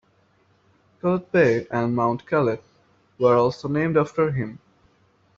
Kellett Bay and Mount Kellett were also named after him.